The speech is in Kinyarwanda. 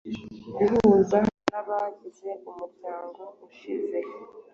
guhuza nabagize umuryango ushize